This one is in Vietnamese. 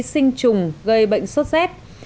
sinh trùng gây bệnh sốt xét